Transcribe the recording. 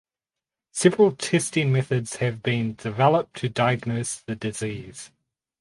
Several testing methods have been developed to diagnose the disease.